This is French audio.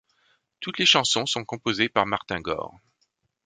Toutes les chansons sont composées par Martin Gore.